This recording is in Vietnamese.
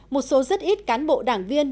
một số rất ít cán bộ đảng viên